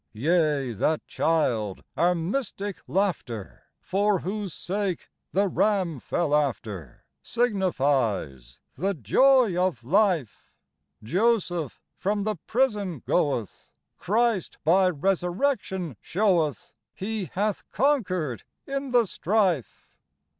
Yea, that child, our mystic Laughter, For whose sake the ram fell after, Signifies the Joy of Life. Joseph from the prison goeth : Christ, by resurrection, showeth He hath conquered in the strife.